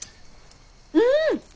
うん！